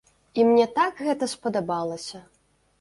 І мне так гэта спадабалася!